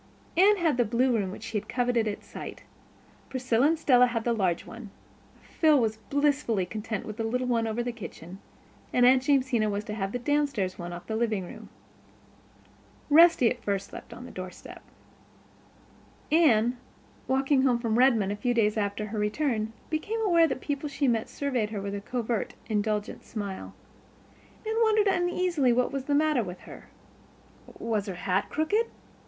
Anne had the blue room she had coveted at sight. Priscilla and Stella had the large one. Phil was blissfully content with the little one over the kitchen; and Aunt Jamesina was to have the downstairs one off the living room. Rusty at first slept on the doorstep. Anne, walking home from Redmond a few days after her return, became aware that the people that she met surveyed her with a covert, indulgent smile. Anne wondered uneasily what was the matter with her. Was her hat crooked?